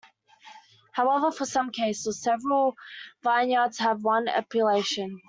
However, for some cases, several vineyards have one appellation.